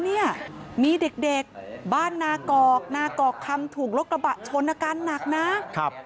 มีเด็กบ้านนากอกนากอกคำถูกรกระบะชนอาการหนักนะ